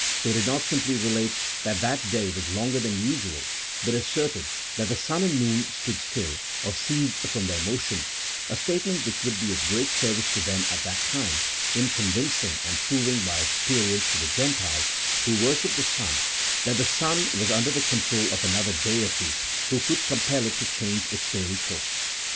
They did not simply relate that that day was longer than usual, but asserted that the sun and moon stood still, or ceased from their motion — a statement which would be of great service to them at that time in convinc ing and proving by experience to the Gentiles, who wor shipped the sun, that the sun was under the control of another deity who could compel it to change its daily course.